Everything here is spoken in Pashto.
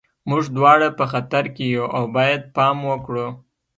موږ دواړه په خطر کې یو او باید پام وکړو